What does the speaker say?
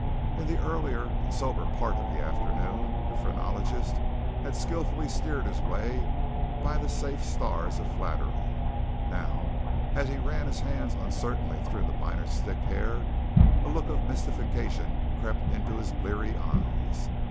In the earlier and soberer part of the afternoon the phrenologist had skilfully steered his way by the safe stars of flattery. Now, as he ran his hands uncertainly through the miner's thick hair, a look of mystification crept into his bleary eyes.